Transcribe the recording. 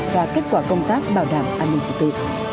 và kết quả công tác bảo đảm an ninh trật tự